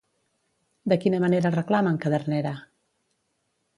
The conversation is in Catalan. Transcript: De quina manera reclama en Cadernera?